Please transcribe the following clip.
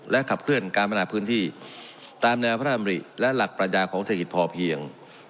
ขับเคลื่อนการพัฒนาพื้นที่ตามแนวพระราชดำริและหลักปรัชญาของเศรษฐกิจพอเพียง